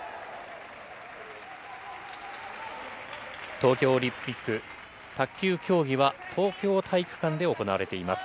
東京オリンピック卓球競技は、東京体育館で行われています。